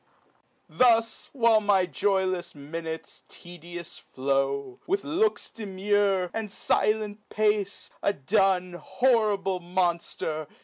Thus, while my joylefs minutes tedious flow, With looks demure, and filent pace, a Dun, Horrible monfter